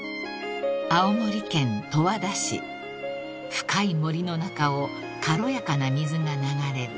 ［深い森の中を軽やかな水が流れる］